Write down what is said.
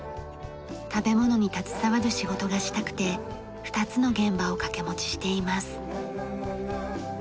食べ物に携わる仕事がしたくて２つの現場を掛け持ちしています。